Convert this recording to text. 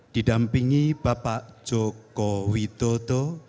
didampingi bapak joko widodo